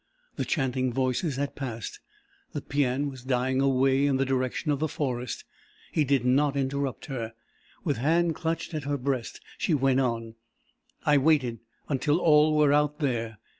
The chanting voices had passed. The paean was dying away in the direction of the forest. He did not interrupt her. With hand clutched at her breast she went on. "I waited until all were out there.